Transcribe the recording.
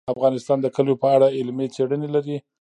افغانستان د کلیو په اړه علمي څېړنې لري.